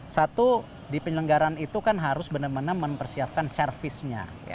satu di penyelenggaran itu kan harus benar benar mempersiapkan servisnya